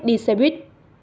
đi xe buýt